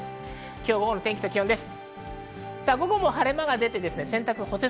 今日、午後の天気と気温です。